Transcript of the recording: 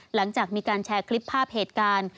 หลังจากมีการแชร์คลิปภาพเหตุการณ์